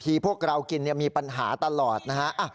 พวกเรากินมีปัญหาตลอดนะฮะ